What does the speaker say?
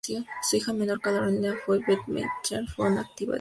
Su hija menor, Carolina de Bentheim-Steinfurt fue una activa escritora.